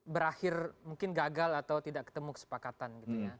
berakhir mungkin gagal atau tidak ketemu kesepakatan